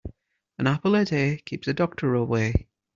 An apple a day keeps the doctor away.